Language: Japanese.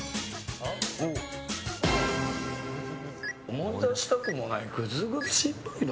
思い出したくもないグズグズ失敗談。